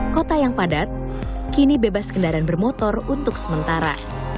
kota yang padat kini bebas kendaraan bermotor untuk sementara